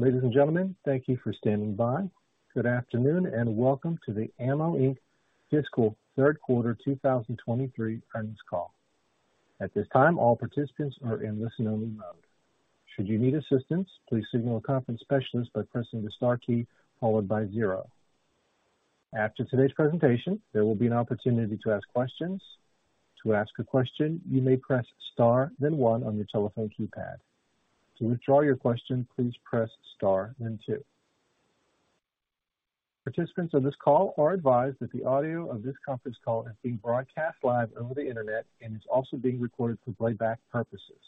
Ladies and gentlemen, thank you for standing by. Good afternoon, and welcome to the AMMO, Inc. Fiscal Third Quarter 2023 Earnings Call. At this time, all participants are in listen-only mode. Should you need assistance, please signal a conference specialist by pressing the star key followed by zero. After today's presentation, there will be an opportunity to ask questions. To ask a question, you may press star then one on your telephone keypad. To withdraw your question, please press star then two. Participants on this call are advised that the audio of this conference call is being broadcast live over the Internet and is also being recorded for playback purposes.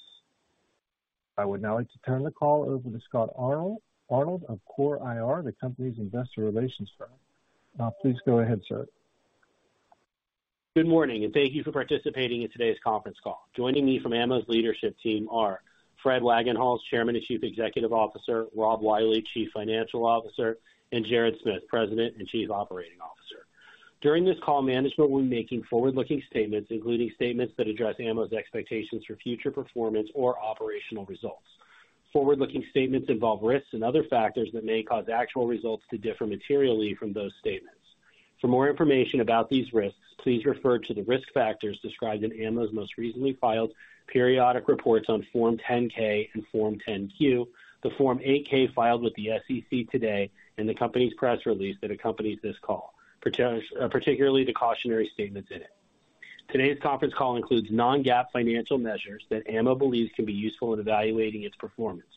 I would now like to turn the call over to Scott Arnold of CORE IR, the company's investor relations firm. Now, please go ahead, sir. Good morning, and thank you for participating in today's conference call. Joining me from Ammo's leadership team are Fred Wagenhals, Chairman and Chief Executive Officer, Rob Wiley, Chief Financial Officer, and Jared Smith, President and Chief Operating Officer. During this call, management will be making forward-looking statements, including statements that address Ammo's expectations for future performance or operational results. Forward-looking statements involve risks and other factors that may cause actual results to differ materially from those statements. For more information about these risks, please refer to the risk factors described in Ammo's most recently filed periodic reports on Form 10-K and Form 10-Q, the Form 8-K filed with the SEC today, and the company's press release that accompanies this call, particularly the cautionary statements in it. Today's conference call includes non-GAAP financial measures that Ammo believes can be useful in evaluating its performance.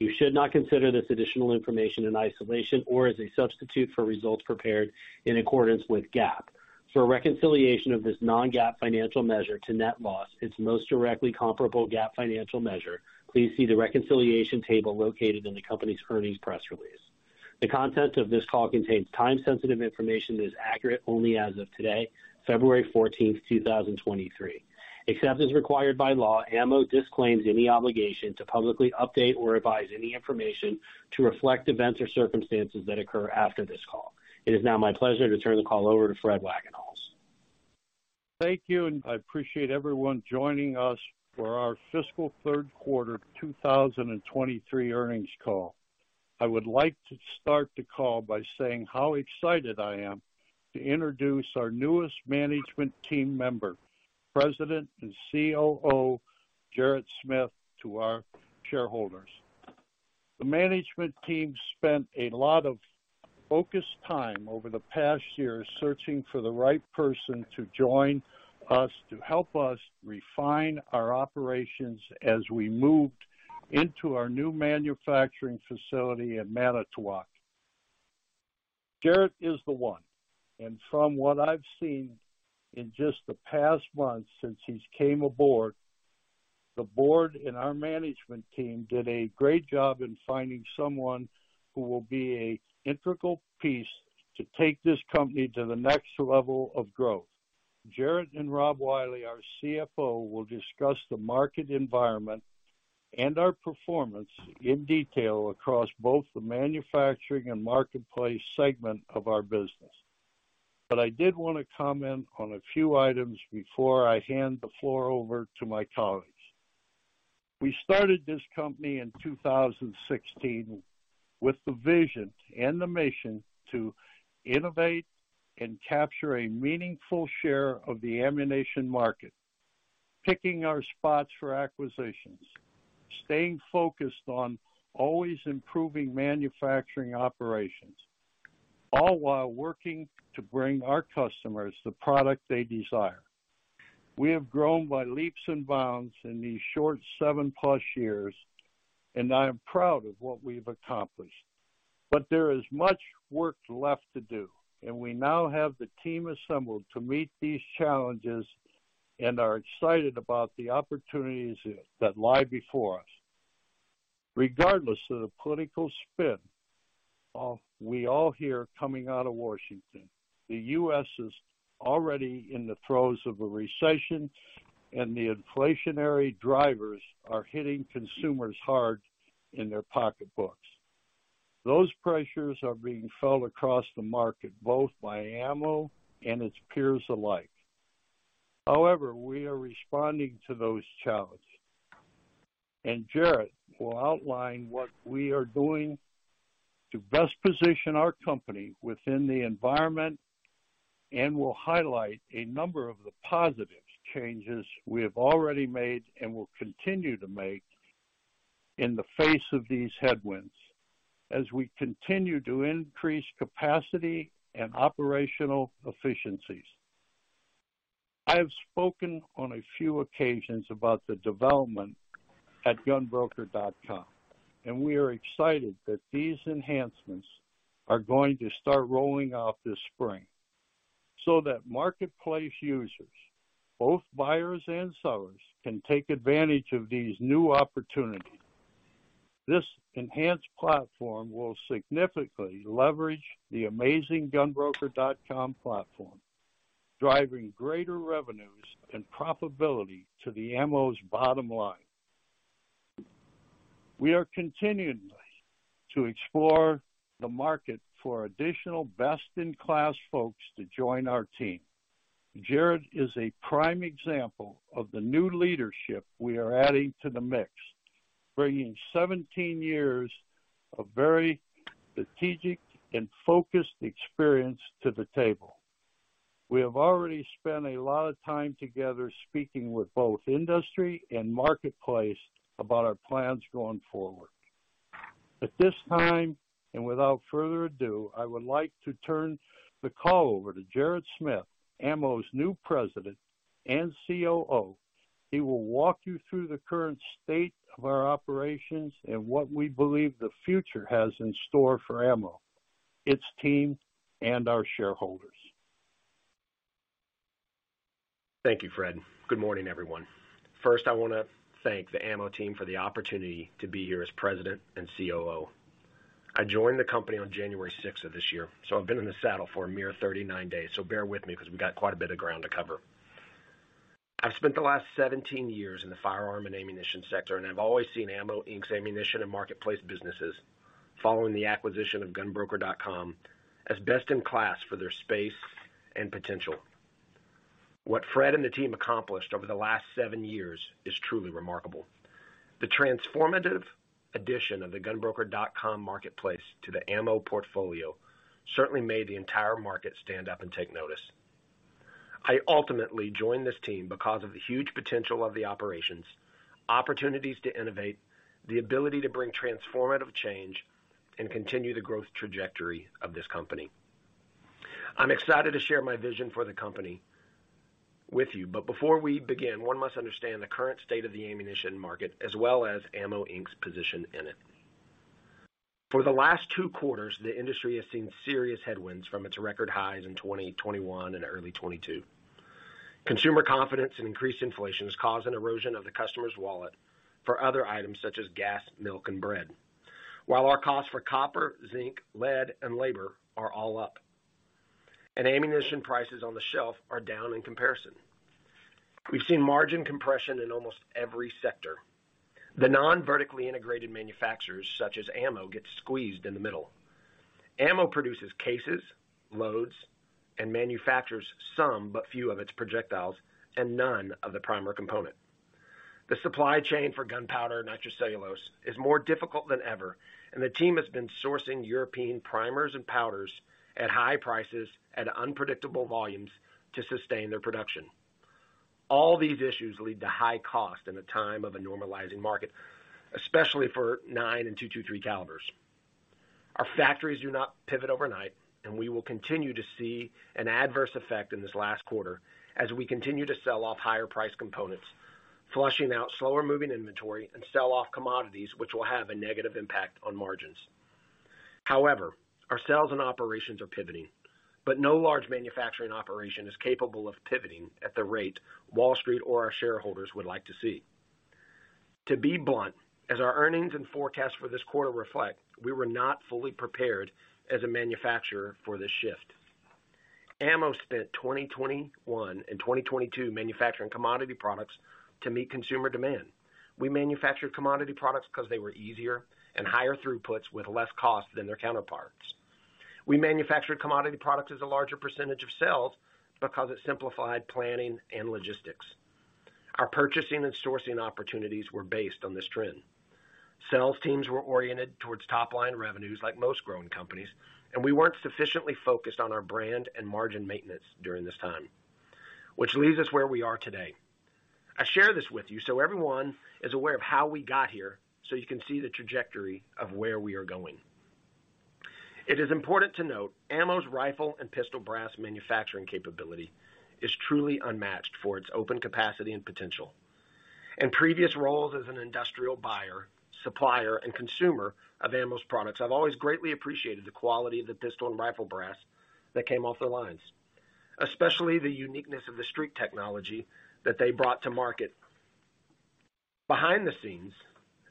You should not consider this additional information in isolation or as a substitute for results prepared in accordance with GAAP. For a reconciliation of this non-GAAP financial measure to net loss, its most directly comparable GAAP financial measure, please see the reconciliation table located in the company's earnings press release. The content of this call contains time-sensitive information that is accurate only as of today, 14 February 2023. Except as required by law, Ammo disclaims any obligation to publicly update or revise any information to reflect events or circumstances that occur after this call. It is now my pleasure to turn the call over to Fred Wagenhals. Thank you. I appreciate everyone joining us for our Fiscal Third Quarter 2023 Earnings Call. I would like to start the call by saying how excited I am to introduce our newest management team member, President and COO, Jared Smith, to our shareholders. The management team spent a lot of focused time over the past year searching for the right person to join us to help us refine our operations as we moved into our new manufacturing facility in Manitowoc. Jared is the one, and from what I've seen in just the past month since he's came aboard, the board and our management team did a great job in finding someone who will be an integral piece to take this company to the next level of growth. Jared and Rob Wiley, our CFO, will discuss the market environment and our performance in detail across both the manufacturing and marketplace segment of our business. I did wanna comment on a few items before I hand the floor over to my colleagues. We started this company in 2016 with the vision and the mission to innovate and capture a meaningful share of the ammunition market, picking our spots for acquisitions, staying focused on always improving manufacturing operations, all while working to bring our customers the product they desire. We have grown by leaps and bounds in these short 7+ years, and I am proud of what we've accomplished. There is much work left to do, and we now have the team assembled to meet these challenges and are excited about the opportunities that lie before us. Regardless of the political spin, we all hear coming out of Washington, the U.S. is already in the throes of a recession, and the inflationary drivers are hitting consumers hard in their pocketbooks. Those pressures are being felt across the market, both by AMMO and its peers alike. However, we are responding to those challenges, and Jared will outline what we are doing to best position our company within the environment and will highlight a number of the positive changes we have already made and will continue to make in the face of these headwinds as we continue to increase capacity and operational efficiencies. I have spoken on a few occasions about the development at GunBroker.com, and we are excited that these enhancements are going to start rolling out this spring so that marketplace users, both buyers and sellers, can take advantage of these new opportunities. This enhanced platform will significantly leverage the amazing GunBroker.com platform, driving greater revenues and profitability to the AMMO's bottom line. We are continuing to explore the market for additional best-in-class folks to join our team. Jared is a prime example of the new leadership we are adding to the mix, bringing 17 years of very strategic and focused experience to the table. We have already spent a lot of time together speaking with both industry and marketplace about our plans going forward. At this time, and without further ado, I would like to turn the call over to Jared Smith, AMMO's new President and COO. He will walk you through the current state of our operations and what we believe the future has in store for AMMO, its team, and our shareholders. Thank you, Fred. Good morning, everyone. First, I want to thank the Ammo team for the opportunity to be here as president and COO. I joined the company on January sixth of this year, so I've been in the saddle for a mere 39 days, so bear with me because we've got quite a bit of ground to cover. I've spent the last 17 years in the firearm and ammunition sector, and I've always seen AMMO, Inc.'s ammunition and marketplace businesses following the acquisition of GunBroker.com as best in class for their space and potential. What Fred and the team accomplished over the last seven years is truly remarkable. The transformative addition of the GunBroker.com marketplace to the Ammo portfolio certainly made the entire market stand up and take notice. I ultimately joined this team because of the huge potential of the operations, opportunities to innovate, the ability to bring transformative change, and continue the growth trajectory of this company. I'm excited to share my vision for the company with you. Before we begin, one must understand the current state of the ammunition market as well as AMMO, Inc.'s position in it. For the last two quarters, the industry has seen serious headwinds from its record highs in 2021 and early 2022. Consumer confidence and increased inflation has caused an erosion of the customer's wallet for other items such as gas, milk, and bread. While our costs for copper, zinc, lead, and labor are all up, and ammunition prices on the shelf are down in comparison, we've seen margin compression in almost every sector. The non-vertically integrated manufacturers, such as AMMO, get squeezed in the middle. AMMO produces cases, loads, and manufactures some, but few of its projectiles, and none of the primer component. The supply chain for gunpowder nitrocellulose is more difficult than ever, and the team has been sourcing European primers and powders at high prices at unpredictable volumes to sustain their production. All these issues lead to high cost in the time of a normalizing market, especially for 9mm and .223 calibers. Our factories do not pivot overnight, and we will continue to see an adverse effect in this last quarter as we continue to sell off higher price components, flushing out slower moving inventory and sell off commodities which will have a negative impact on margins. However, our sales and operations are pivoting. No large manufacturing operation is capable of pivoting at the rate Wall Street or our shareholders would like to see. To be blunt, as our earnings and forecasts for this quarter reflect, we were not fully prepared as a manufacturer for this shift. Ammo spent 2021 and 2022 manufacturing commodity products to meet consumer demand. We manufactured commodity products because they were easier and higher throughputs with less cost than their counterparts. We manufactured commodity products as a larger percentage of sales because it simplified planning and logistics. Our purchasing and sourcing opportunities were based on this trend. Sales teams were oriented towards top-line revenues like most growing companies, and we weren't sufficiently focused on our brand and margin maintenance during this time. Which leads us where we are today. I share this with you so everyone is aware of how we got here, so you can see the trajectory of where we are going. It is important to note AMMO's rifle and pistol brass manufacturing capability is truly unmatched for its open capacity and potential. In previous roles as an industrial buyer, supplier, and consumer of AMMO's products, I've always greatly appreciated the quality of the pistol and rifle brass that came off their lines, especially the uniqueness of the STREAK technology that they brought to market. Behind the scenes,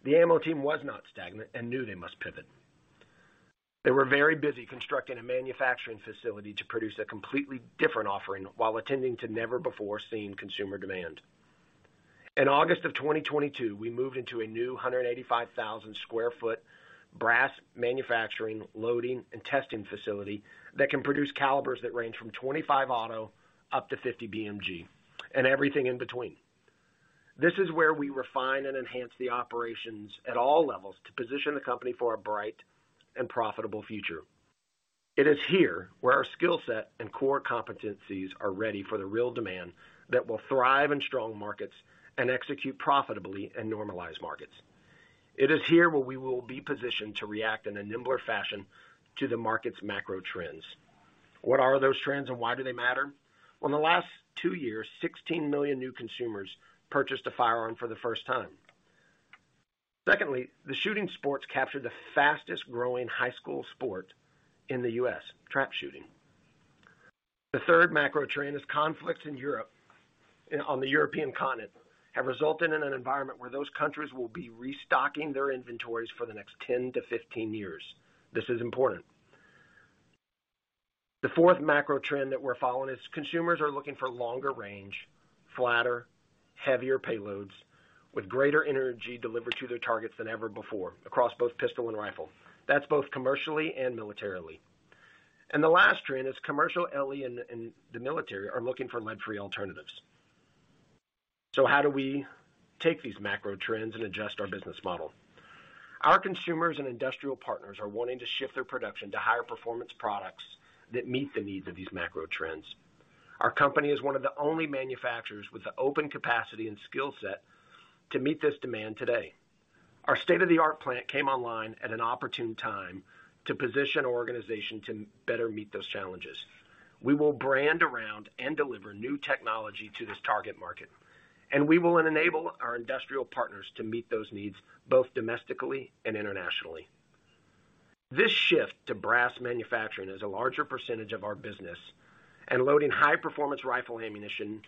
the AMMO team was not stagnant and knew they must pivot. They were very busy constructing a manufacturing facility to produce a completely different offering while attending to never-before-seen consumer demand. In August of 2022, we moved into a new 185,000 sq ft brass manufacturing, loading, and testing facility that can produce calibers that range from .25 Auto up to .50 BMG and everything in between. This is where we refine and enhance the operations at all levels to position the company for a bright and profitable future. It is here where our skill set and core competencies are ready for the real demand that will thrive in strong markets and execute profitably in normalized markets. It is here where we will be positioned to react in a nimbler fashion to the market's macro trends. What are those trends and why do they matter? Well, in the last two years, 16 million new consumers purchased a firearm for the first time. Secondly, the shooting sports captured the fastest growing high school sport in the U.S., trap shooting. The third macro trend is conflicts on the European continent have resulted in an environment where those countries will be restocking their inventories for the next 10-15 years. This is important. The fourth macro trend that we're following is consumers are looking for longer range, flatter-heavier payloads with greater energy delivered to their targets than ever before, across both pistol and rifle. That's both commercially and militarily. The last trend is commercial LE and the military are looking for lead-free alternatives. How do we take these macro trends and adjust our business model? Our consumers and industrial partners are wanting to shift their production to higher performance products that meet the needs of these macro trends. Our company is one of the only manufacturers with the open capacity and skill set to meet this demand today. Our state-of-the-art plant came online at an opportune time to position our organization to better meet those challenges. We will brand around and deliver new technology to this target market. We will enable our industrial partners to meet those needs, both domestically and internationally. This shift to brass manufacturing is a larger percentage of our business. Loading high performance rifle ammunition,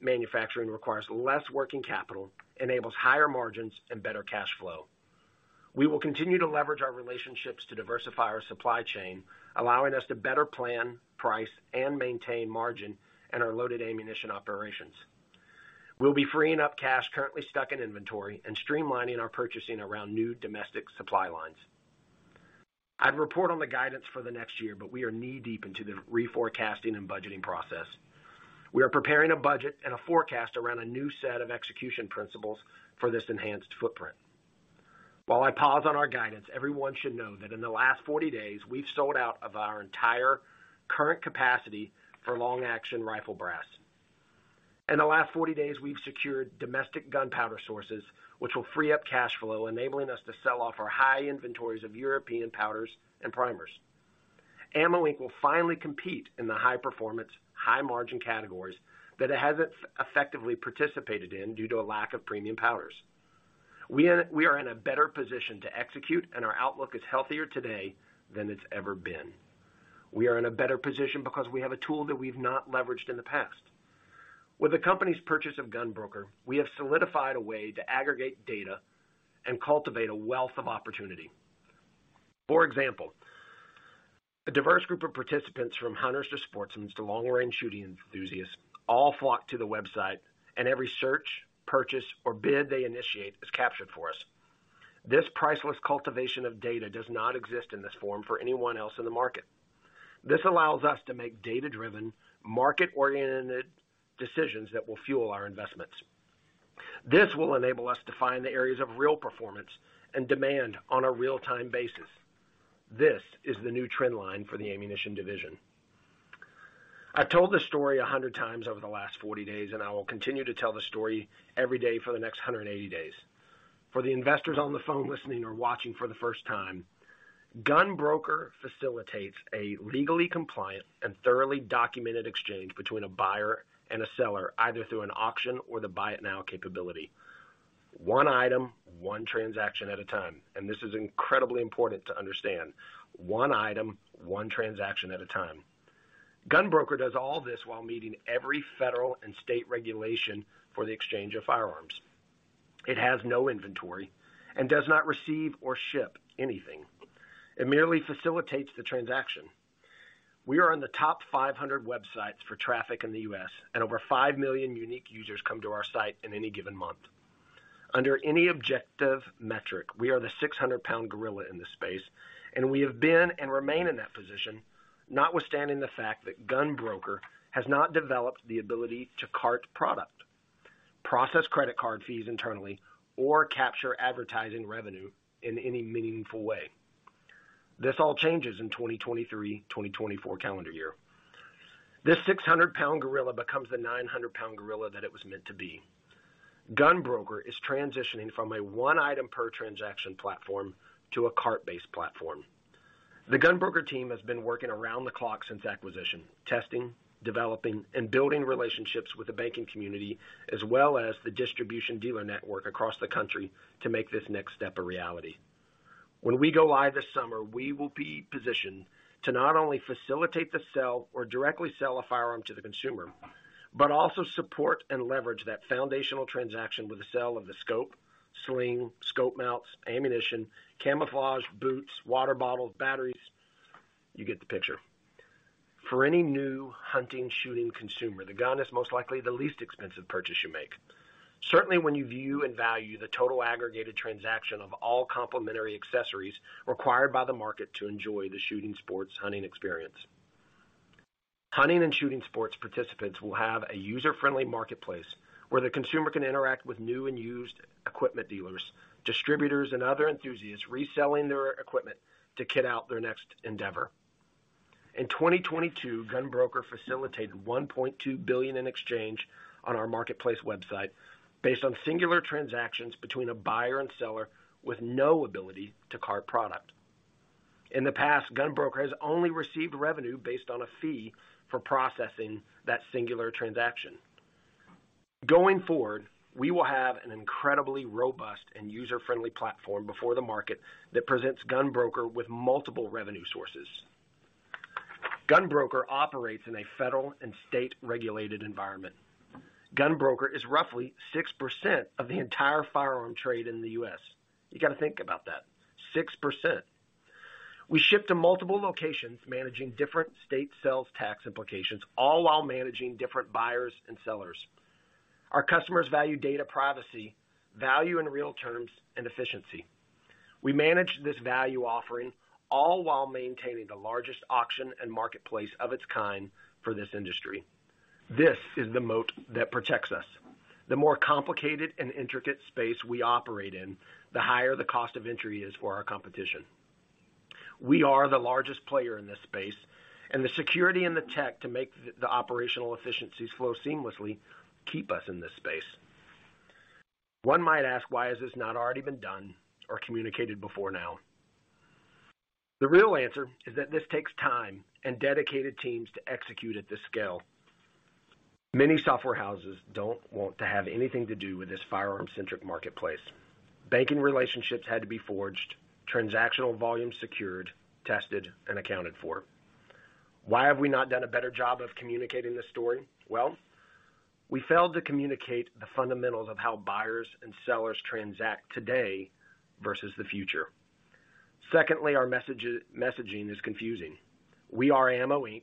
manufacturing requires less working capital, enables higher margins and better cash flow. We will continue to leverage our relationships to diversify our supply chain, allowing us to better plan, price, and maintain margin in our loaded ammunition operations. We'll be freeing up cash currently stuck in inventory and streamlining our purchasing around new domestic supply lines. I'd report on the guidance for the next year. We are knee-deep into the reforecasting and budgeting process. We are preparing a budget and a forecast around a new set of execution principles for this enhanced footprint. While I pause on our guidance, everyone should know that in the last 40 days, we've sold out of our entire current capacity for long-action rifle brass. In the last 40 days, we've secured domestic gunpowder sources, which will free up cash flow, enabling us to sell off our high inventories of European powders and primers. AMMO, Inc. will finally compete in the high performance, high margin categories that it hasn't effectively participated in due to a lack of premium powders. We are in a better position to execute, and our outlook is healthier today than it's ever been. We are in a better position because we have a tool that we've not leveraged in the past. With the company's purchase of GunBroker, we have solidified a way to aggregate data and cultivate a wealth of opportunity. For example, a diverse group of participants from hunters to sportsmen to long-range shooting enthusiasts, all flock to the website, and every search, purchase, or bid they initiate is captured for us. This priceless cultivation of data does not exist in this form for anyone else in the market. This allows us to make data-driven, market-oriented decisions that will fuel our investments. This will enable us to find the areas of real performance and demand on a real-time basis. This is the new trend line for the ammunition division. I've told this story 100 times over the last 40 days, and I will continue to tell the story every day for the next 180 days. For the investors on the phone listening or watching for the first time, GunBroker facilitates a legally compliant and thoroughly documented exchange between a buyer and a seller, either through an auction or the Buy It Now capability. One item, one transaction at a time. This is incredibly important to understand. One item, one transaction at a time. GunBroker does all this while meeting every federal and state regulation for the exchange of firearms. It has no inventory and does not receive or ship anything. It merely facilitates the transaction. We are on the top 500 websites for traffic in the U.S. Over five million unique users come to our site in any given month. Under any objective metric, we are the 600-pound gorilla in this space, and we have been and remain in that position, notwithstanding the fact that GunBroker has not developed the ability to cart product, process credit card fees internally, or capture advertising revenue in any meaningful way. This all changes in 2023/2024 calendar year. This 600-pound gorilla becomes the 900-pound gorilla that it was meant to be. GunBroker is transitioning from a one item per transaction platform to a cart-based platform. The GunBroker team has been working around the clock since acquisition, testing, developing, and building relationships with the banking community, as well as the distribution dealer network across the country to make this next step a reality. When we go live this summer, we will be positioned to not only facilitate the sale or directly sell a firearm to the consumer, but also support and leverage that foundational transaction with the sale of the scope, sling, scope mounts, ammunition, camouflage, boots, water bottles, batteries. You get the picture. For any new hunting, shooting consumer, the gun is most likely the least expensive purchase you make. Certainly, when you view and value the total aggregated transaction of all complementary accessories required by the market to enjoy the shooting sports hunting experience. Hunting and shooting sports participants will have a user-friendly marketplace where the consumer can interact with new and used equipment dealers, distributors, and other enthusiasts reselling their equipment to kit out their next endeavor. In 2022, GunBroker facilitated $1.2 billion in exchange on our marketplace website based on singular transactions between a buyer and seller with no ability to cart product. In the past, GunBroker has only received revenue based on a fee for processing that singular transaction. Going forward, we will have an incredibly robust and user-friendly platform before the market that presents GunBroker with multiple revenue sources. GunBroker operates in a federal and state-regulated environment. GunBroker is roughly 6% of the entire firearm trade in the U.S. You got to think about that, 6%. We ship to multiple locations managing different state sales tax implications, all while managing different buyers and sellers. Our customers value data privacy, value in real terms, and efficiency. We manage this value offering all while maintaining the largest auction and marketplace of its kind for this industry. This is the moat that protects us. The more complicated and intricate space we operate in, the higher the cost of entry is for our competition. We are the largest player in this space. The security and the tech to make the operational efficiencies flow seamlessly keep us in this space. One might ask, why has this not already been done or communicated before now? The real answer is that this takes time and dedicated teams to execute at this scale. Many software houses don't want to have anything to do with this firearm-centric marketplace. Banking relationships had to be forged, transactional volume secured, tested, and accounted for. Why have we not done a better job of communicating this story? Well, we failed to communicate the fundamentals of how buyers and sellers transact today versus the future. Secondly, our messaging is confusing. We are AMMO, Inc.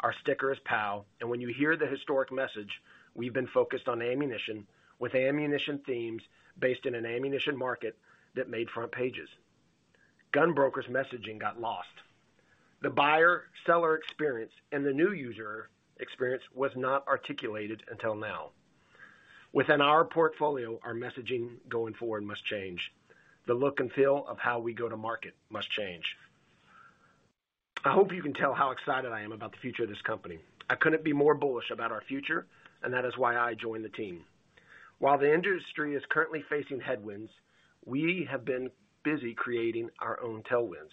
Our sticker is POW, and when you hear the historic message, we've been focused on ammunition with ammunition themes based in an ammunition market that made front pages. GunBroker messaging got lost. The buyer-seller experience and the new user experience was not articulated until now. Within our portfolio, our messaging going forward must change. The look and feel of how we go to market must change. I hope you can tell how excited I am about the future of this company. I couldn't be more bullish about our future, and that is why I joined the team. While the industry is currently facing headwinds, we have been busy creating our own tailwinds.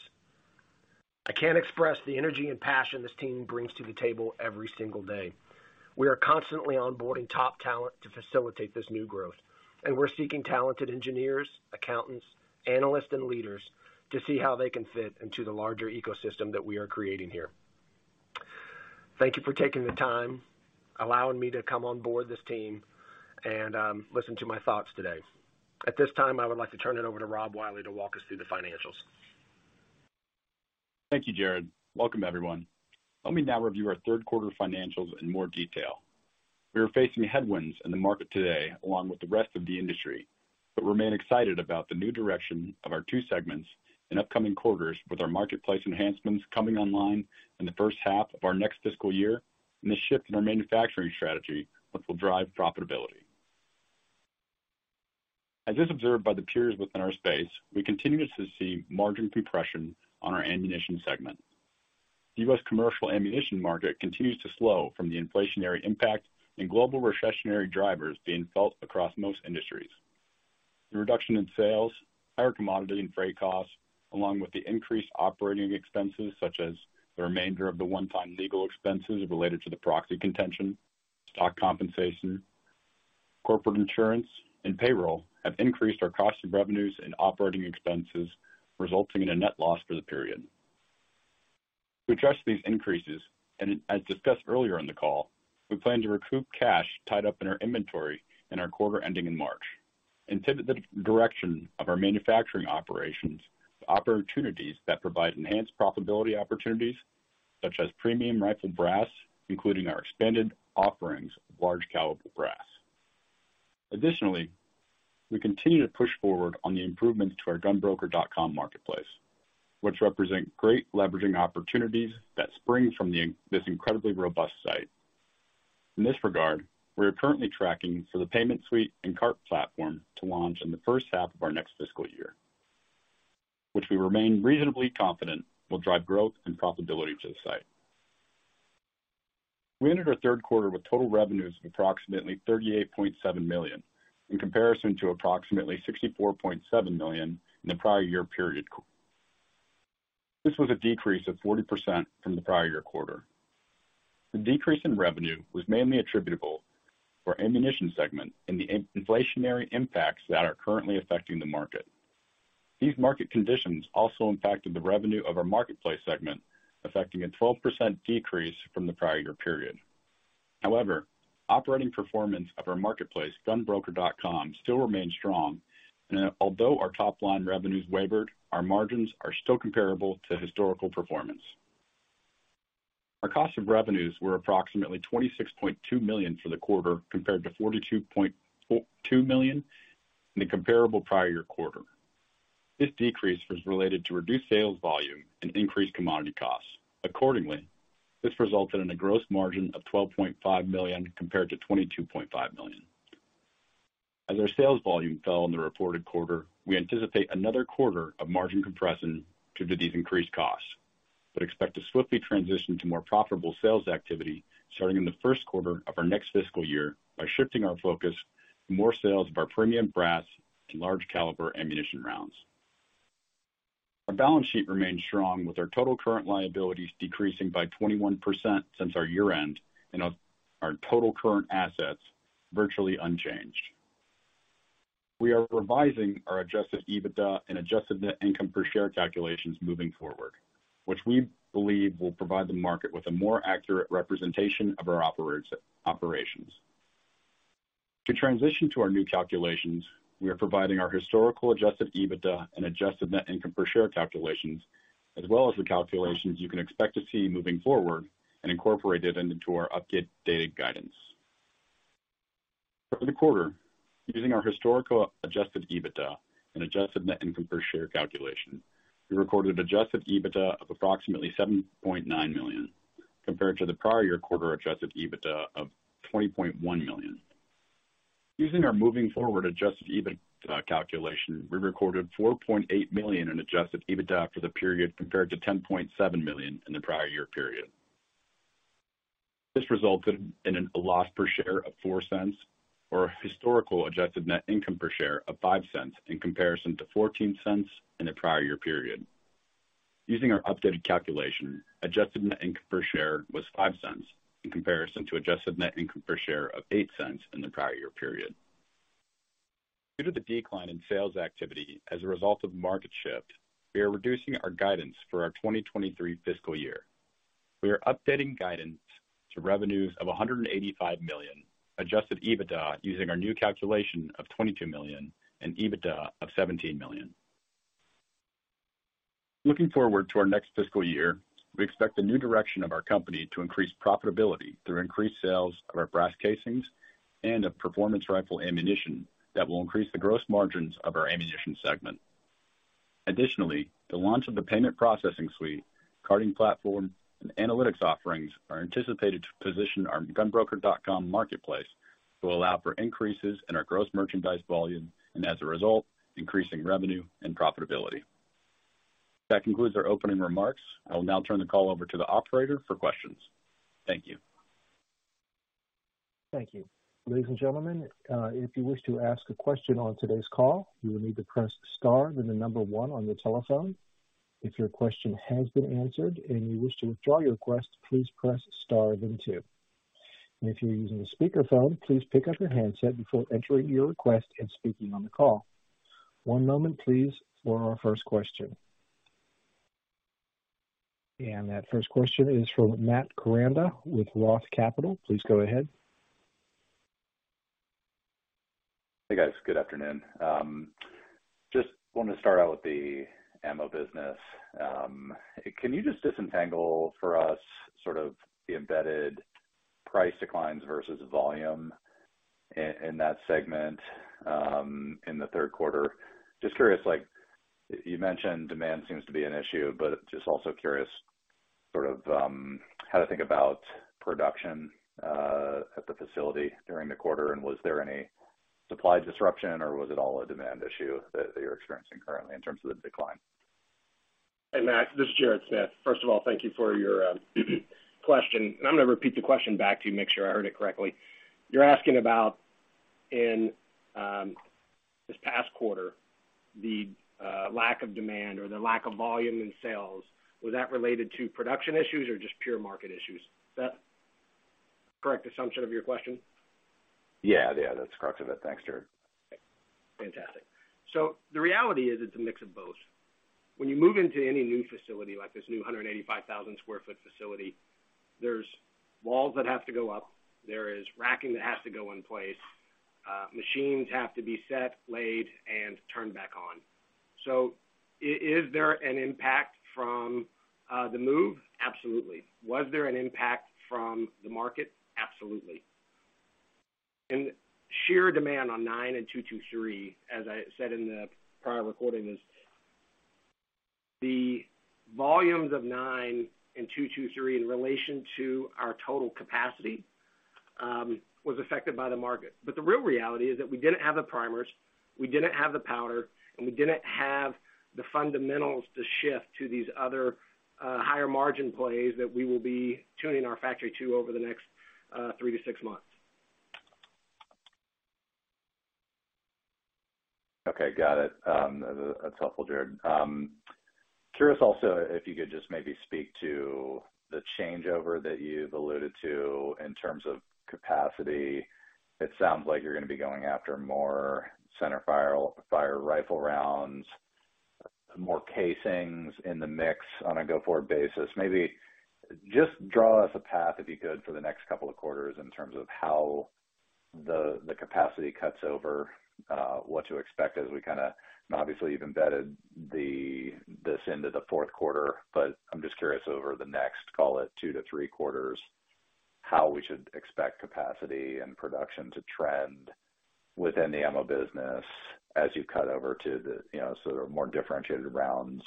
I can't express the energy and passion this team brings to the table every single day. We are constantly onboarding top talent to facilitate this new growth, we're seeking talented engineers, accountants, analysts, and leaders to see how they can fit into the larger ecosystem that we are creating here. Thank you for taking the time, allowing me to come on board this team and listen to my thoughts today. At this time, I would like to turn it over to Rob Wiley to walk us through the financials. Thank you, Jared. Welcome, everyone. Let me now review our third quarter financials in more detail. We are facing headwinds in the market today, along with the rest of the industry, but remain excited about the new direction of our two segments in upcoming quarters with our marketplace enhancements coming online in the first half of our next fiscal year, and the shift in our manufacturing strategy, which will drive profitability. As is observed by the peers within our space, we continue to see margin compression on our ammunition segment. The U.S. commercial ammunition market continues to slow from the inflationary impact and global recessionary drivers being felt across most industries. The reduction in sales, higher commodity and freight costs, along with the increased operating expenses, such as the remainder of the one-time legal expenses related to the proxy contention, stock compensation, corporate insurance, and payroll, have increased our cost of revenues and operating expenses, resulting in a net loss for the period. To address these increases, and as discussed earlier in the call, we plan to recoup cash tied up in our inventory in our quarter ending in March, and pivot the direction of our manufacturing operations to opportunities that provide enhanced profitability opportunities such as premium rifle brass, including our expanded offerings of large caliber brass. Additionally, we continue to push forward on the improvements to our GunBroker.com marketplace, which represent great leveraging opportunities that spring from this incredibly robust site. In this regard, we are currently tracking for the payment suite and cart platform to launch in the first half of our next fiscal year, which we remain reasonably confident will drive growth and profitability to the site. We ended our third quarter with total revenues of approximately $38.7 million, in comparison to approximately $64.7 million in the prior year period. This was a decrease of 40% from the prior year quarter. The decrease in revenue was mainly attributable to our ammunition segment and the inflationary impacts that are currently affecting the market. These market conditions also impacted the revenue of our marketplace segment, affecting a 12% decrease from the prior year period. Operating performance of our marketplace, GunBroker.com, still remains strong. Although our top line revenues wavered, our margins are still comparable to historical performance. Our cost of revenues were approximately $26.2 million for the quarter, compared to $42.2 million in the comparable prior year quarter. This decrease was related to reduced sales volume and increased commodity costs. Accordingly, this resulted in a gross margin of $12.5 million compared to $22.5 million. As our sales volume fell in the reported quarter, we anticipate another quarter of margin compression due to these increased costs, but expect to swiftly transition to more profitable sales activity starting in the first quarter of our next fiscal year by shifting our focus to more sales of our premium brass and large caliber ammunition rounds. Our balance sheet remains strong, with our total current liabilities decreasing by 21% since our year-end and our total current assets virtually unchanged. We are revising our adjusted EBITDA and adjusted net income per share calculations moving forward, which we believe will provide the market with a more accurate representation of our operations. To transition to our new calculations, we are providing our historical adjusted EBITDA and adjusted net income per share calculations, as well as the calculations you can expect to see moving forward and incorporated into our updated guidance. For the quarter, using our historical adjusted EBITDA and adjusted net income per share calculation, we recorded adjusted EBITDA of approximately $7.9 million, compared to the prior year quarter adjusted EBITDA of $20.1 million. Using our moving forward adjusted EBITDA calculation, we recorded $4.8 million in adjusted EBITDA for the period, compared to $10.7 million in the prior year period. This resulted in a loss per share of $0.04 or a historical adjusted net income per share of $0.05 in comparison to $0.14 in the prior year period. Using our updated calculation, adjusted net income per share was $0.05 in comparison to adjusted net income per share of $0.08 in the prior year period. Due to the decline in sales activity as a result of market shift, we are reducing our guidance for our 2023 fiscal year. We are updating guidance to revenues of $185 million, adjusted EBITDA using our new calculation of $22 million and EBITDA of $17 million. Looking forward to our next fiscal year, we expect the new direction of our company to increase profitability through increased sales of our brass casings and a performance rifle ammunition that will increase the gross margins of our ammunition segment. Additionally, the launch of the payment processing suite, carding platform, and analytics offerings are anticipated to position our GunBroker.com marketplace to allow for increases in our gross merchandise volume and, as a result, increasing revenue and profitability. That concludes our opening remarks. I will now turn the call over to the operator for questions. Thank you. Thank you. Ladies and gentlemen, if you wish to ask a question on today's call, you will need to press star, then one on your telephone. If your question has been answered and you wish to withdraw your request, please press star, then two. If you're using a speakerphone, please pick up your handset before entering your request and speaking on the call. One moment please for our first question. That first question is from Matt Koranda with Roth Capital. Please go ahead. Hey, guys. Good afternoon. Just wanted to start out with the AMMO business. Can you just disentangle for us sort of the embedded price declines versus volume in that segment, in the third quarter? Just curious, like you mentioned, demand seems to be an issue, but just also curious sort of how to think about production at the facility during the quarter. Was there any supply disruption or was it all a demand issue that you're experiencing currently in terms of the decline? Hey, Matt, this is Jared Smith. First of all, thank you for your question. I'm gonna repeat the question back to you, make sure I heard it correctly. You're asking about in this past quarter, the lack of demand or the lack of volume in sales, was that related to production issues or just pure market issues? Is that correct assumption of your question? Yeah, yeah, that's the crux of it. Thanks, Jared. Fantastic. The reality is it's a mix of both. When you move into any new facility like this new 185,000 sq ft facility, there's walls that have to go up, there is racking that has to go in place, machines have to be set, laid, and turned back on. Is there an impact from the move? Absolutely. Was there an impact from the market? Absolutely. Sheer demand on 9mm and .223, as I said in the prior recording, is the volumes of 9mm and .223 in relation to our total capacity, was affected by the market. The real reality is that we didn't have the primers, we didn't have the powder, and we didn't have the fundamentals to shift to these other, higher margin plays that we will be tuning our factory to over the next, three to six months. Okay, got it. That's helpful, Jared. Curious also if you could just maybe speak to the changeover that you've alluded to in terms of capacity. It sounds like you're gonna be going after more center fire rifle rounds, more casings in the mix on a go forward basis. Maybe just draw us a path, if you could, for the next couple of quarters in terms of how the capacity cuts over, what to expect and obviously you've embedded this into the fourth quarter. I'm just curious over the next, call it two to three quarters, how we should expect capacity and production to trend within the AMMO business as you cut over to the, you know, sort of more differentiated rounds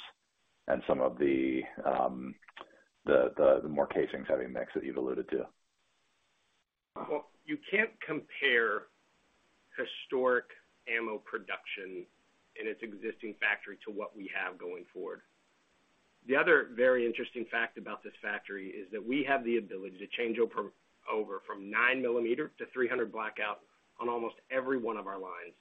and some of the more casings having mix that you've alluded to. Well, you can't compare historic ammo production in its existing factory to what we have going forward. The other very interesting fact about this factory is that we have the ability to change over from 9mm to 300 AAC Blackout on almost every one of our lines.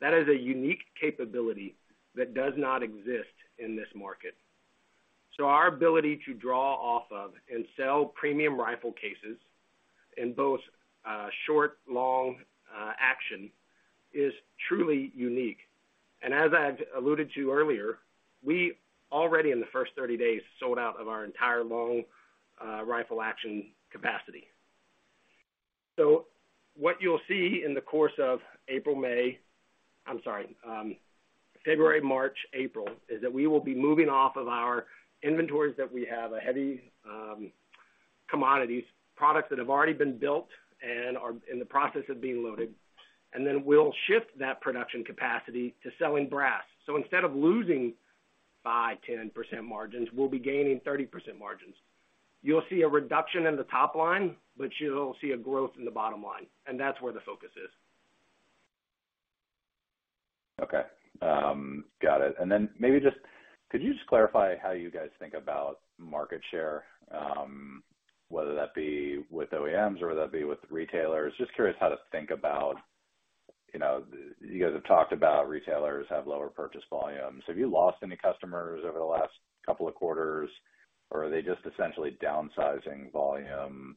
That is a unique capability that does not exist in this market. Our ability to draw off of and sell premium rifle cases in both short, long action is truly unique. As I've alluded to earlier, we already in the first 30 days, sold out of our entire long rifle action capacity. What you'll see in the course of April, May... I'm sorry, February, March, April, is that we will be moving off of our inventories that we have a heavy, commodities, products that have already been built and are in the process of being loaded, and then we'll shift that production capacity to selling brass. Instead of losing 5%-10% margins, we'll be gaining 30% margins. You'll see a reduction in the top line, but you'll see a growth in the bottom line, and that's where the focus is. Okay. got it. Then maybe just could you just clarify how you guys think about market share, whether that be with OEMs or whether that be with retailers? Just curious how to think about, you know, you guys have talked about retailers have lower purchase volumes. Have you lost any customers over the last couple of quarters, or are they just essentially downsizing volume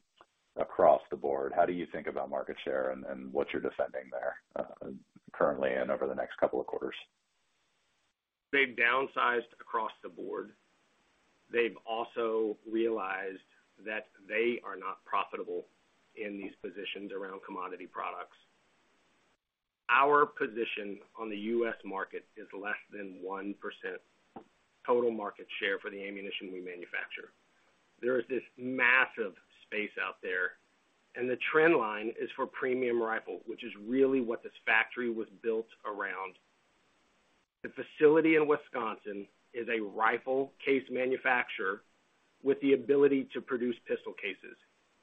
across the board? How do you think about market share and what you're defending there currently and over the next couple of quarters? They've downsized across the board. They've also realized that they are not profitable in these positions around commodity products. Our position on the U.S. market is less than 1% total market share for the ammunition we manufacture. The trend line is for premium rifle, which is really what this factory was built around. The facility in Wisconsin is a rifle case manufacturer with the ability to produce pistol cases,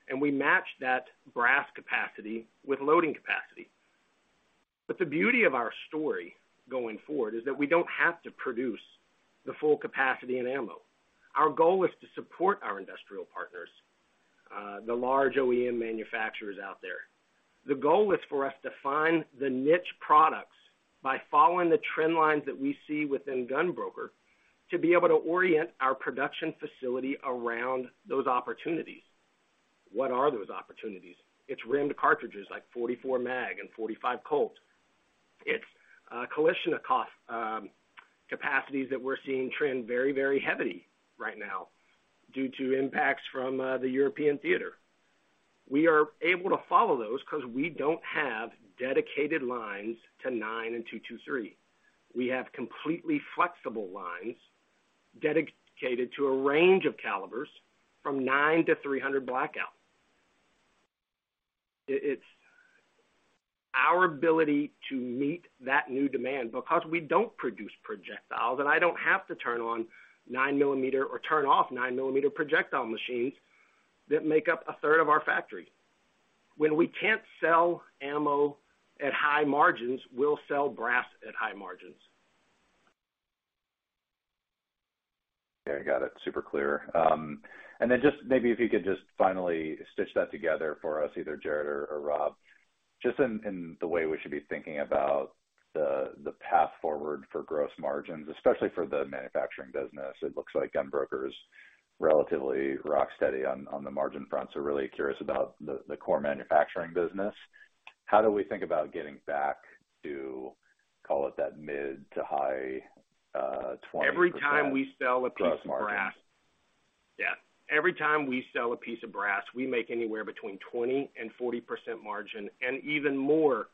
and we match that brass capacity with loading capacity. The beauty of our story going forward is that we don't have to produce the full capacity in ammo. Our goal is to support our industrial partners, the large OEM manufacturers out there. The goal is for us to find the niche products by following the trend lines that we see within GunBroker to be able to orient our production facility around those opportunities. What are those opportunities? It's rimmed cartridges like .44 Mag and .45 Colt. It's a coalition of cost, capacities that we're seeing trend very, very heavily right now due to impacts from the European theater. We are able to follow those because we don't have dedicated lines to 9mm and .223. We have completely flexible lines dedicated to a range of calibers from 9mm to 300 AAC Blackout. It's our ability to meet that new demand because we don't produce projectiles, and I don't have to turn on 9mm or turn off 9mm projectile machines that make up a third of our factory. When we can't sell ammo at high margins, we'll sell brass at high margins. Okay, got it. Super clear. Just maybe if you could just finally stitch that together for us, either Jared or Rob, just in the way we should be thinking about the path forward for gross margins, especially for the manufacturing business. It looks like GunBroker is relatively rock steady on the margin front, really curious about the core manufacturing business. How do we think about getting back to, call it, that mid to high, 20%... Every time we sell a piece of brass- Gross margin. Every time we sell a piece of brass, we make anywhere between 20% and 40% margin and even more.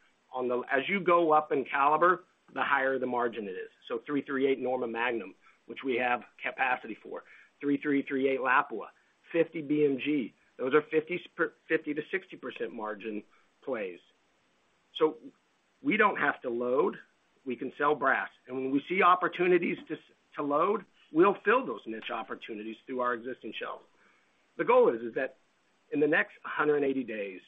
As you go up in caliber, the higher the margin it is. .338 Norma Magnum, which we have capacity for, .338 Lapua Magnum, .50 BMG, those are 50%-60% margin plays. We don't have to load. We can sell brass. When we see opportunities to load, we'll fill those niche opportunities through our existing shelves. The goal is that in the next 180 days,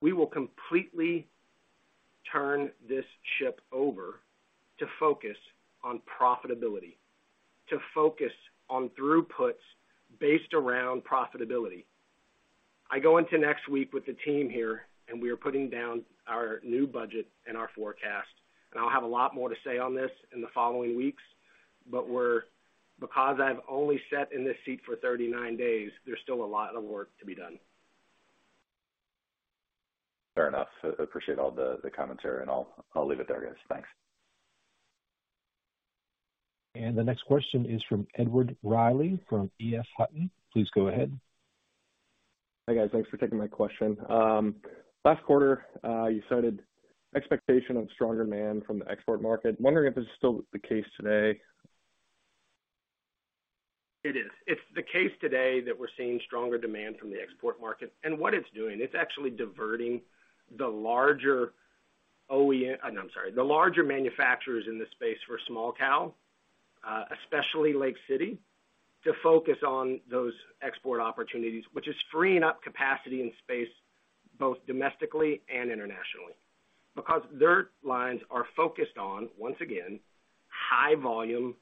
we will completely turn this ship over to focus on profitability, to focus on throughputs based around profitability. I go into next week with the team here, we are putting down our new budget and our forecast, I'll have a lot more to say on this in the following weeks, but because I've only sat in this seat for 39 days, there's still a lot of work to be done. Fair enough. Appreciate all the commentary, I'll leave it there, guys. Thanks. The next question is from Edward Reilly from EF Hutton. Please go ahead. Hi, guys. Thanks for taking my question. Last quarter, you cited expectation of stronger demand from the export market. I'm wondering if this is still the case today. It is. It's the case today that we're seeing stronger demand from the export market. What it's doing, it's actually diverting the larger manufacturers in this space for small cal, especially Lake City, to focus on those export opportunities, which is freeing up capacity and space both domestically and internationally because their lines are focused on, once again, high volume,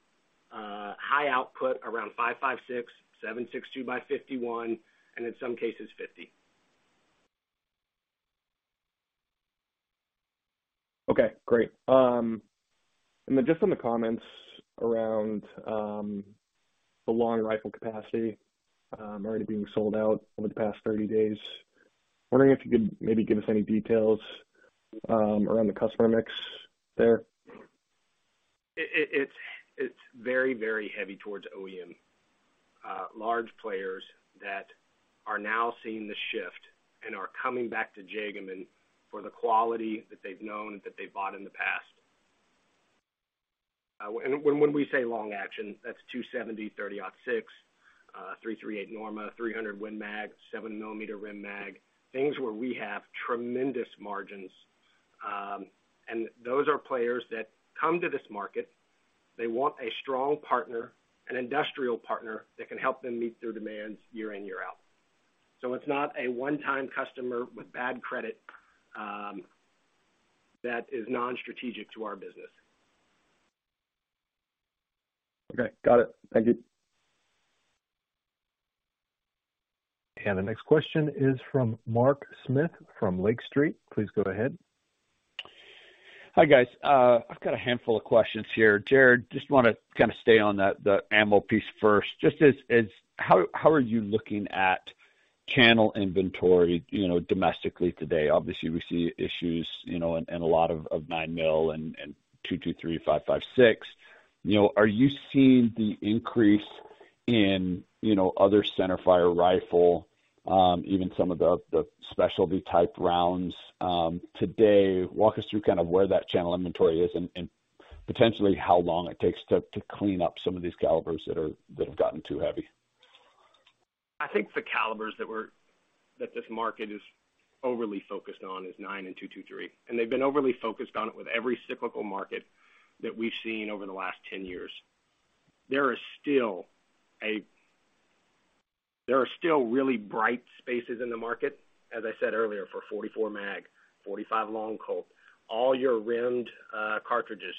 high output around 5.56, 7.62×51, and in some cases, .50 BMG. Okay, great. Just on the comments around, the long rifle capacity, already being sold out over the past 30 days. Wondering if you could maybe give us any details, around the customer mix there. It's very heavy towards OEM, large players that are now seeing the shift and are coming back to Jagemann for the quality that they've known, that they bought in the past. When we say long action, that's .270, .30-06, 338 Norma, .300 Win Mag, 7mm Rem Mag. Things where we have tremendous margins. And those are players that come to this market. They want a strong partner, an industrial partner, that can help them meet their demands year in, year out. It's not a one-time customer with bad credit, that is non-strategic to our business. Okay. Got it. Thank you. The next question is from Mark Smith from Lake Street. Please go ahead. Hi, guys. I've got a handful of questions here. Jared, just wanna kinda stay on that, the ammo piece first. Just how are you looking at channel inventory, you know, domestically today? Obviously, we see issues, you know, a lot of 9mm and .223 5.56. You know, are you seeing the increase in, you know, other centerfire rifle, even some of the specialty type rounds today? Walk us through kind of where that channel inventory is and potentially how long it takes to clean up some of these calibers that have gotten too heavy. I think the calibers that this market is overly focused on is 9mm and .223. They've been overly focused on it with every cyclical market that we've seen over the last 10 years. There are still really bright spaces in the market, as I said earlier, for .44 Mag, .45 Long Colt, all your rimmed cartridges.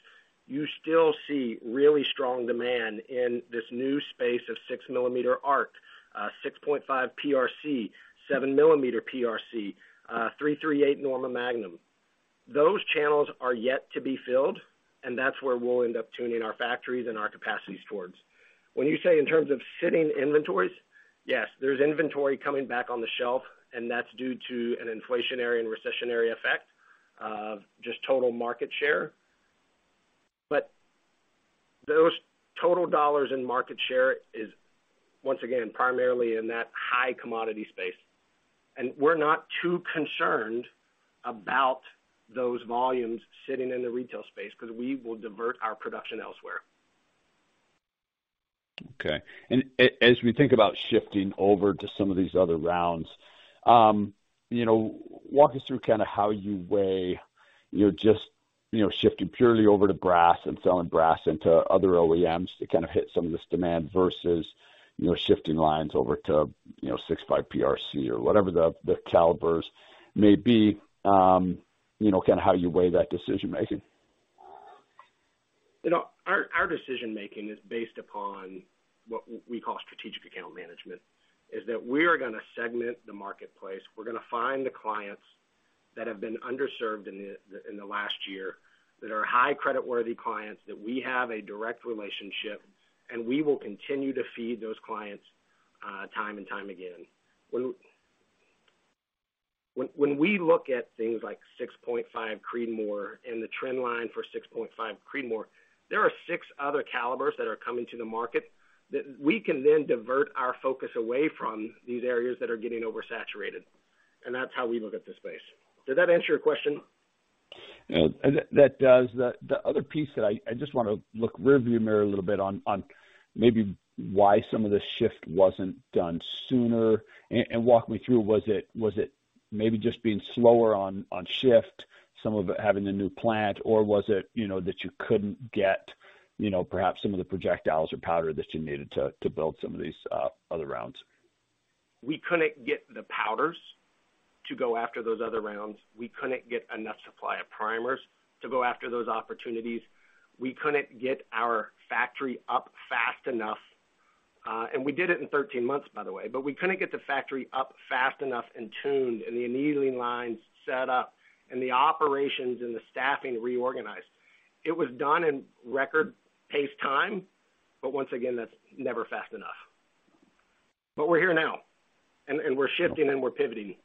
You still see really strong demand in this new space of 6mm ARC, 6.5 PRC, 7mm PRC, .338 Norma Magnum. Those channels are yet to be filled. That's where we'll end up tuning our factories and our capacities towards. When you say in terms of sitting inventories, yes, there's inventory coming back on the shelf. That's due to an inflationary and recessionary effect of just total market share. Those total dollars in market share is, once again, primarily in that high commodity space. We're not too concerned about those volumes sitting in the retail space, 'cause we will divert our production elsewhere. Okay. As we think about shifting over to some of these other rounds, you know, walk us through kinda how you weigh, you know, just, you know, shifting purely over to brass and selling brass into other OEMs to kind of hit some of this demand versus, you know, shifting lines over to, you know, 6.5 PRC or whatever the calibers may be, you know, kinda how you weigh that decision-making. You know, our decision-making is based upon what we call strategic account management, is that we are gonna segment the marketplace. We're gonna find the clients that have been underserved in the, in the last year, that are high creditworthy clients, that we have a direct relationship, and we will continue to feed those clients, time and time again. When we look at things like 6.5 Creedmoor and the trend line for 6.5 Creedmoor, there are six other calibers that are coming to the market that we can then divert our focus away from these areas that are getting oversaturated, and that's how we look at the space. Did that answer your question? Yeah. That does. The other piece that I just wanna look rearview mirror a little bit on maybe why some of this shift wasn't done sooner. Walk me through, was it maybe just being slower on shift, some of it having the new plant? Or was it, you know, that you couldn't get, you know, perhaps some of the projectiles or powder that you needed to build some of these other rounds? We couldn't get the powders to go after those other rounds. We couldn't get enough supply of primers to go after those opportunities. We couldn't get our factory up fast enough. We did it in 13 months, by the way. We couldn't get the factory up fast enough and tuned, and the annealing lines set up, and the operations and the staffing reorganized. It was done in record pace time. Once again, that's never fast enough. We're here now, and we're shifting, and we're pivoting.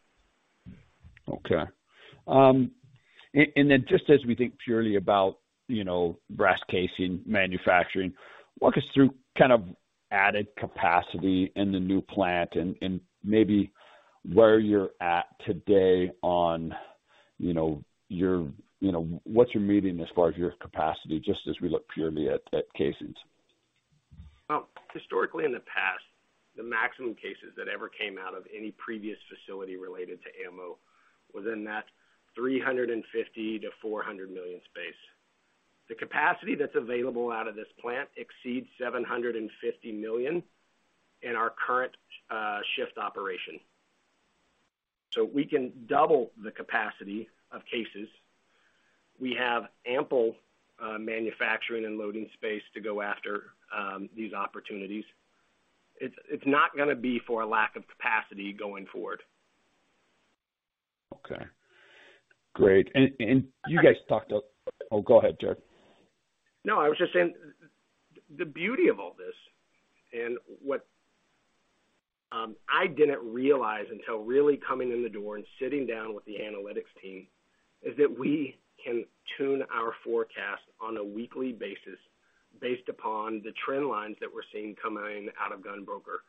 Okay. Just as we think purely about, you know, brass casing manufacturing, walk us through kind of added capacity in the new plant and maybe where you're at today on, you know, your, what's your meeting as far as your capacity, just as we look purely at casings? Historically, in the past, the maximum cases that ever came out of any previous facility related to ammo was in that 350 million-400 million space. The capacity that's available out of this plant exceeds 750 million in our current shift operation. We can double the capacity of cases. We have ample manufacturing and loading space to go after these opportunities. It's not gonna be for a lack of capacity going forward. Okay. Great. You guys. Oh, go ahead, Jared. No, I was just saying, the beauty of all this, and what, I didn't realize until really coming in the door and sitting down with the analytics team, is that we can tune our forecast on a weekly basis based upon the trend lines that we're seeing coming out of GunBroker.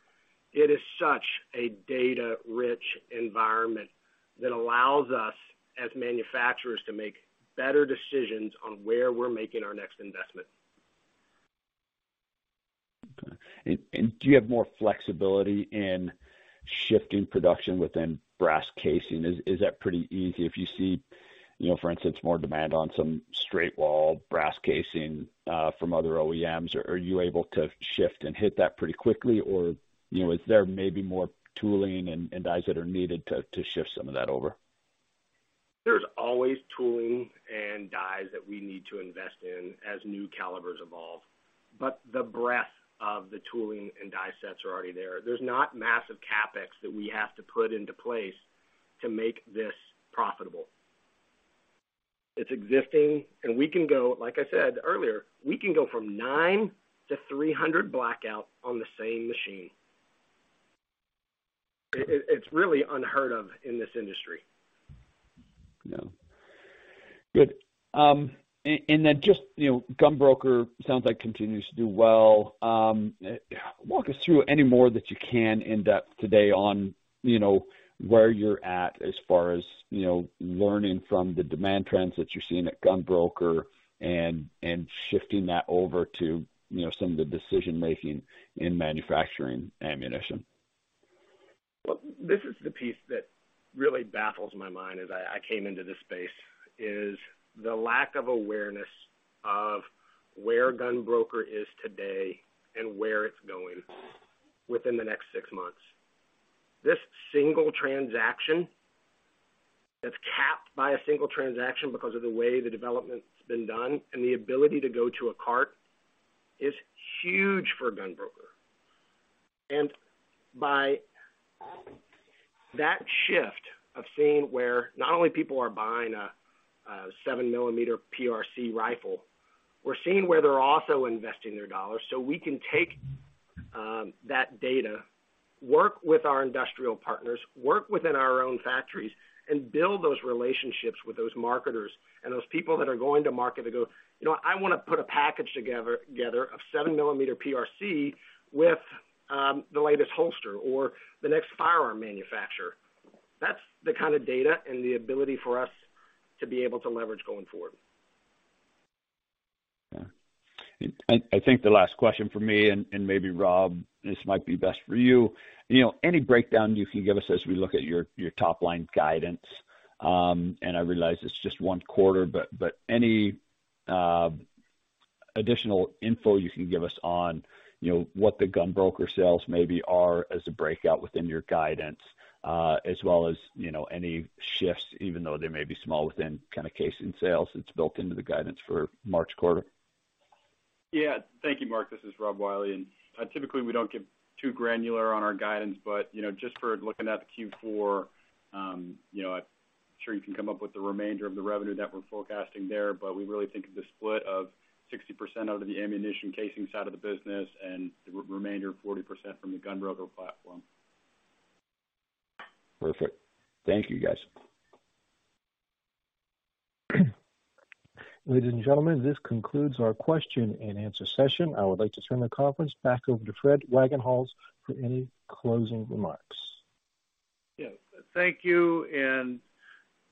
It is such a data-rich environment that allows us, as manufacturers, to make better decisions on where we're making our next investment. Okay. Do you have more flexibility in shifting production within brass casing? Is that pretty easy if you see, you know, for instance, more demand on some straight-wall brass casing from other OEMs? Are you able to shift and hit that pretty quickly or, you know, is there maybe more tooling and dies that are needed to shift some of that over? There's always tooling and dies that we need to invest in as new calibers evolve, but the breadth of the tooling and die sets are already there. There's not massive CapEx that we have to put into place to make this profitable. It's existing, and we can go. Like I said earlier, we can go from nine to 300 AAC Blackout on the same machine. It's really unheard of in this industry. Yeah. Good. Just, you know, GunBroker sounds like continues to do well. Walk us through any more that you can in depth today on, you know, where you're at as far as, you know, learning from the demand trends that you're seeing at GunBroker and shifting that over to, you know, some of the decision-making in manufacturing ammunition. Well, this is the piece that really baffles my mind as I came into this space, is the lack of awareness of where GunBroker is today and where it's going within the next six months. This single transaction that's capped by a single transaction because of the way the development's been done and the ability to go to a cart is huge for GunBroker. By that shift of seeing where not only people are buying a 7mm PRC rifle, we're seeing where they're also investing their dollars, so we can take that data, work with our industrial partners, work within our own factories, and build those relationships with those marketers and those people that are going to market to go, "You know what? I wanna put a package together of 7mm PRC with the latest holster or the next firearm manufacturer. That's the kind of data and the ability for us to be able to leverage going forward. Yeah. I think the last question from me, and maybe Rob, this might be best for you. You know, any breakdown you can give us as we look at your top line guidance. I realize it's just one quarter, but any additional info you can give us on, you know, what the GunBroker sales maybe are as a breakout within your guidance, as well as, you know, any shifts, even though they may be small within kinda casing sales that's built into the guidance for March quarter. Yeah. Thank you, Mark. This is Rob Wiley. Typically, we don't get too granular on our guidance, but, you know, just for looking at the Q4, you know, I'm sure you can come up with the remainder of the revenue that we're forecasting there. We really think of the split of 60% out of the ammunition casing side of the business and the remainder 40% from the GunBroker platform. Perfect. Thank you, guys. Ladies and gentlemen, this concludes our question and answer session. I would like to turn the conference back over to Fred Wagenhals for any closing remarks. Yeah. Thank you.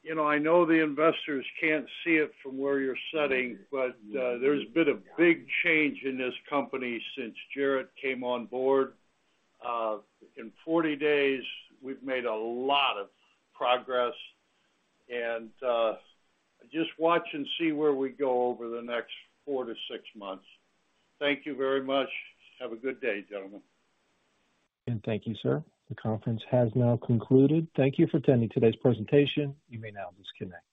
You know, I know the investors can't see it from where you're sitting, but, there's been a big change in this company since Jared came on board. In 40 days, we've made a lot of progress. Just watch and see where we go over the next four to six months. Thank you very much. Have a good day, gentlemen. Thank you, sir. The conference has now concluded. Thank you for attending today's presentation. You may now disconnect.